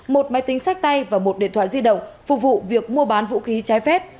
một máy tính sách tay và một điện thoại di động phục vụ việc mua bán vũ khí trái phép